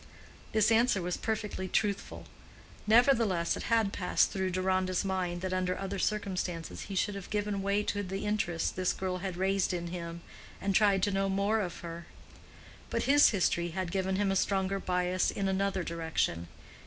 This answer was perfectly truthful; nevertheless it had passed through Deronda's mind that under other circumstances he should have given way to the interest this girl had raised in him, and tried to know more of her. But his history had given him a stronger bias in another direction.